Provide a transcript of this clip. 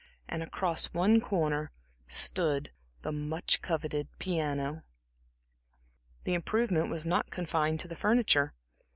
Across one corner stood the much coveted piano. The improvement was not confined to the furniture.